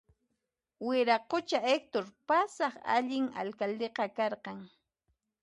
Wiraqucha Hector pasaq allin alcaldeqa karqan